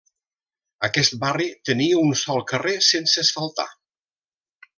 Aquest barri tenia un sol carrer sense asfaltar.